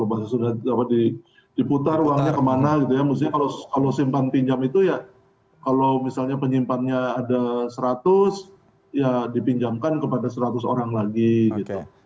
maksudnya kalau simpan pinjam itu ya kalau misalnya penyimpanannya ada seratus ya dipinjamkan kepada seratus orang lagi gitu